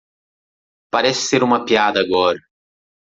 Parece ser uma piada agora.